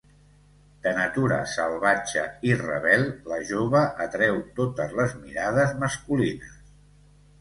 De natura salvatge i rebel, la jove atreu totes les mirades masculines.